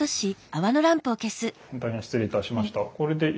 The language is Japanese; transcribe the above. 本当に失礼いたしました。